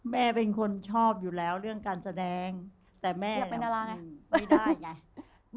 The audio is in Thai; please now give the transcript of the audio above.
แม่เป็นคนชอบอยู่แล้วเรื่องการแสดงแต่แม่ไม่ได้ไง